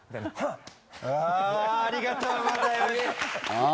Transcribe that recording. ありがとうございます。